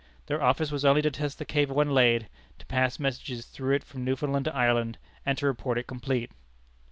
Their office was only to test the cable when laid, to pass messages through it from Newfoundland to Ireland, and to report it complete.